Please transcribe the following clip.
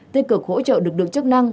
tên cực hỗ trợ lực lượng chức năng